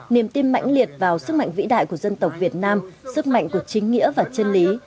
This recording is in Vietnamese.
niềm tin mạnh liệt vào sức mạnh vĩ đại của dân tộc việt nam sức mạnh của chính nghĩa và chân lý